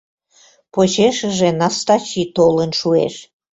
Почешыже Настачи толын шуэш.